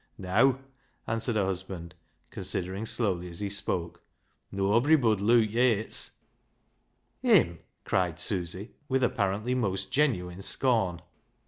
" Neaw," answered her husband, — considering slowly as he spoke, —" noabry bud Luke Yates." " Him !" cried Susy, with apparently most genuine scorn.